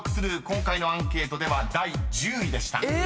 今回のアンケートでは第１０位でした］え！